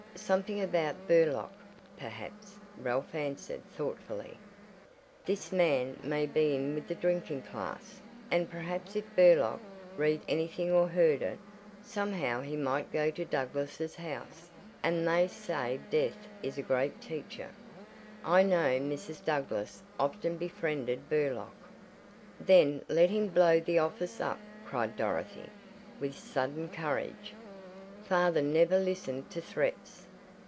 "Something about Burlock, perhaps," Ralph answered, thoughtfully. "This man may be in with the drinking class, and perhaps if Burlock read anything or heard it, somehow he might go to the Douglass house, and they say Death is a great teacher. I know Mrs. Douglass often befriended Burlock." "Then let him blow the office up!" cried Dorothy, with sudden courage. "Father never listened to threats!